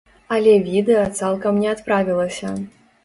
Але відэа цалкам не адправілася.